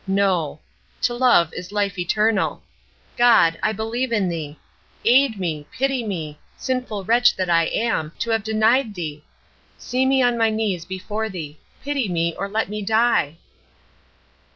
No! To love is life eternal. God, I believe in Thee! Aid me! Pity me! Sinful wretch that I am, to have denied Thee! See me on my knees before Thee! Pity me, or let me die!